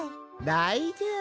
だいじょうぶ。